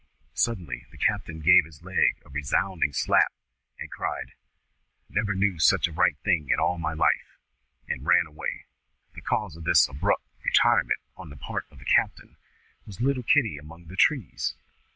Suddenly the captain gave his leg a resounding slap, and cried, "Never knew such a right thing in all my life!" and ran away. The cause of this abrupt retirement on the part of the captain was little Kitty among the trees.